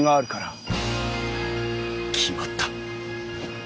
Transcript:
決まった。